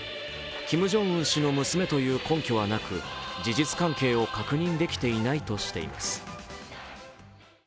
キム・ジョンウン氏の娘という根拠はなく事実関係を確認できていないとしています。